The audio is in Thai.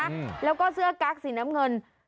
แม่ง